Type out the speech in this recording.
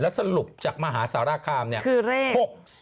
แล้วสรุปจากมหาศาลาคามคือเลข๖๔๓